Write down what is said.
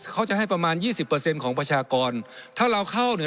เขาจะให้ประมาณยี่สิบเปอร์เซ็นต์ของประชากรถ้าเราเข้าเนี่ย